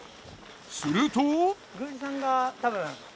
すると。